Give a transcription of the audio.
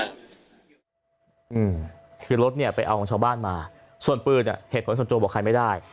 อืมคือรถเนี่ยไปเอาของชาวบ้านมาส่วนปืนอ่ะเหตุผลส่วนตัวบอกใครไม่ได้